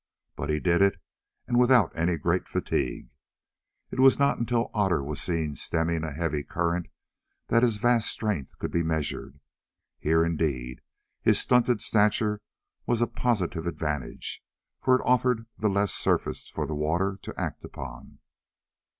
But he did it, and without any great fatigue. It was not until Otter was seen stemming a heavy current that his vast strength could be measured. Here, indeed, his stunted stature was a positive advantage, for it offered the less surface for the water to act upon.